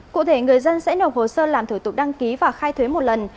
cụ thể người dân sẽ nộp hồ sơ làm thủ tục đăng ký và khai thuế một lần